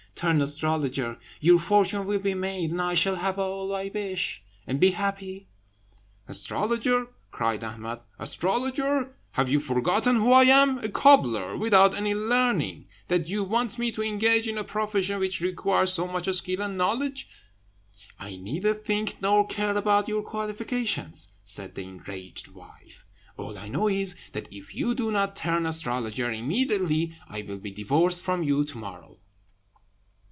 Turn astrologer! your fortune will be made, and I shall have all I wish, and be happy." "Astrologer!" cried Ahmed, "astrologer! Have you forgotten who I am a cobbler, without any learning that you want me to engage in a profession which requires so much skill and knowledge?" "I neither think nor care about your qualifications," said the enraged wife; "all I know is, that if you do not turn astrologer immediately I will be divorced from you to morrow."